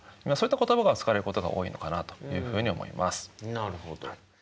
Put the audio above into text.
なるほど。